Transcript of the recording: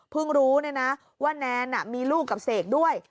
เพิ่งรู้นะว่าแนนมีลูกกับเสกด้วย